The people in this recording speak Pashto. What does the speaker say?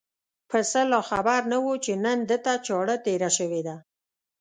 پسه لا خبر نه و چې نن ده ته چاړه تېره شوې ده.